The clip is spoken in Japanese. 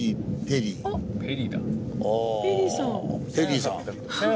ペリーさん。